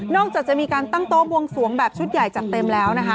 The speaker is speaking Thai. จากจะมีการตั้งโต๊ะบวงสวงแบบชุดใหญ่จัดเต็มแล้วนะคะ